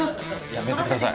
やめてください